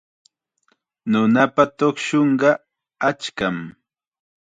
Nunapa tuqshunqa achkam.